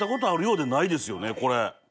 これ。